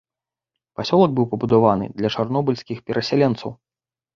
Пасёлак быў пабудаваны для чарнобыльскіх перасяленцаў.